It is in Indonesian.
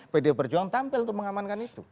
pdi perjuangan tampil untuk mengamankan itu